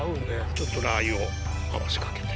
ちょっとラー油を回しかけて。